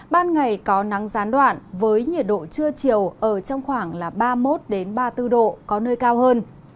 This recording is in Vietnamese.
ban ngày có nắng gián đoạn với nhiệt độ trưa chiều ở trong khoảng ba mươi một ba mươi bốn độ có nơi cao hơn